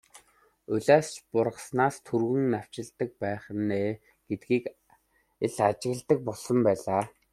Улиас ч бургаснаас түргэн навчилдаг байх нь ээ гэдгийг л ажигладаг болсон байлаа.